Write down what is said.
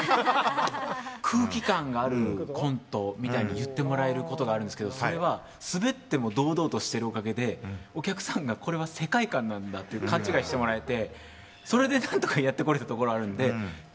空気感があるコントみたいに言ってもらえることがあるんですけど、それはスベっても堂々としてるおかげでお客さんがこれは世界観なんだって勘違いしてもらえて。